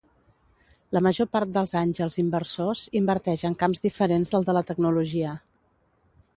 La major part dels àngels inversors inverteix en camps diferents del de la tecnologia.